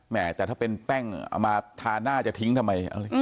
แต่ถ้าเป็นแป้งเอามาทาหน้าจะทิ้งทำไม